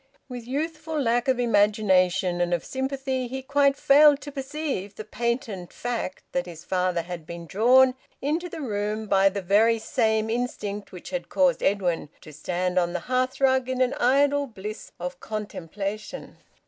With youthful lack of imagination and of sympathy, he quite failed to perceive the patent fact that his father had been drawn into the room by the very same instinct which had caused Edwin to stand on the hearthrug in an idle bliss of contemplation.